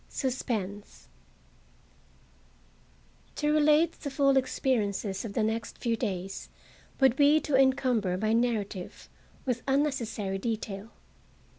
SUSPENSE To relate the full experiences of the next few days would be to encumber my narrative with unnecessary detail.